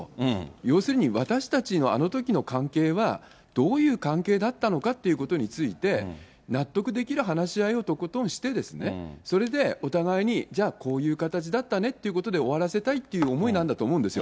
要するに私たちのあのときの関係はどういう関係だったのかということについて、納得できる話し合いをとことんしてですね、それでお互いに、じゃあ、こういう形だったねということで、終わらせたいっていう思いなんだと思うんですよ。